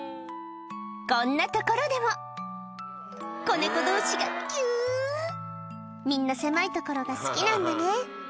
こんなところでも子猫同士がぎゅうみんな狭いところが好きなんだね